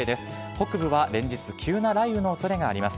北部は連日、急な雷雨のおそれがあります。